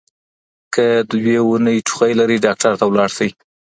که دوه اونۍ ټوخی لرئ ډاکټر ته لاړ شئ.